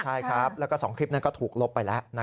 ใช่ครับแล้วก็๒คลิปนั้นก็ถูกลบไปแล้ว